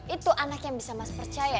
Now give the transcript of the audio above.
itu anak yang bisa mas percaya